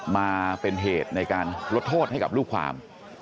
มาเป็นเหตุในการลดโทษให้กับลูกความ